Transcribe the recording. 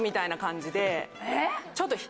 えっ！